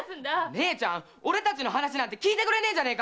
姉ちゃん俺たちの話なんて聞いてくれねえじゃねえか！